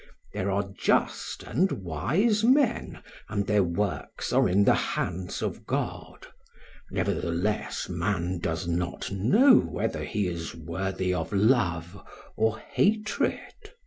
There are just and wise men and their works are in the hands of God; nevertheless man does not know whether he is worthy of love or hatred.